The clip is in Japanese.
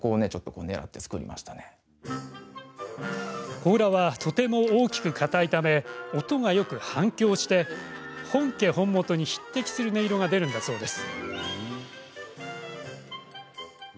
甲羅は、とても大きくかたいため音がよく反響して本家本元に匹敵する音色が出るんだそうです。